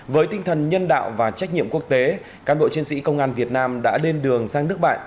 với tinh thần nhân đạo và trách nhiệm quốc tế cán bộ chiến sĩ công an việt nam đã lên đường sang nước bạn